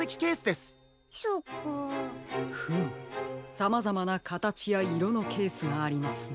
さまざまなかたちやいろのケースがありますね。